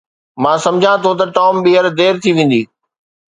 مان سمجهان ٿو ته ٽام ٻيهر دير ٿي ويندي